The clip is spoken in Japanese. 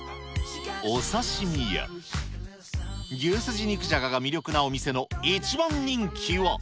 お刺身や、牛すじ肉じゃがが魅力なお店の一番人気は。